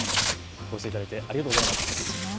お寄せいただいてありがとうございます。